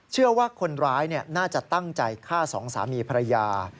เชื่อว่าคนร้ายน่าจะตั้งใจฆ่าสองสามีภรรยา